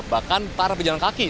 bahkan para pejalan kaki